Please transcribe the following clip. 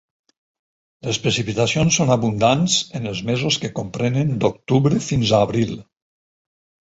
Les precipitacions són abundants en els mesos que comprenen d'octubre fins a abril.